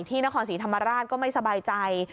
ที่นครศรีธรรมราชก็ไม่สบายใจ